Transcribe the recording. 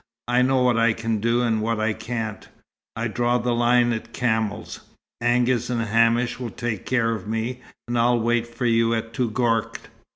"I know what I can do and what I can't. I draw the line at camels! Angus and Hamish will take care of me, and I'll wait for you at Touggourt.